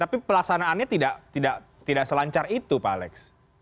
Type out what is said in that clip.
tapi pelaksanaannya tidak selancar itu pak alex